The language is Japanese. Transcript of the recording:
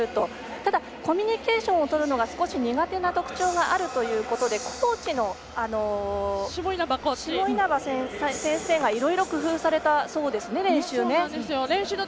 ただ、コミュニケーションをとるのが少し苦手な特徴があるということでコーチの下稲葉先生が工夫されたそうですね、練習を。